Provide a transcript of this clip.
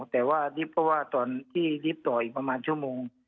แต่ว่าดิ๊บก็ว่าตอนที่ดิ๊บต่ออีกประมาณชั่วโมง